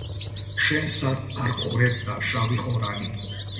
შენ სად არ გხვრეპდა შავი ყორანი